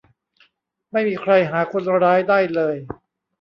ไม่มีใครหาคนร้ายได้เลย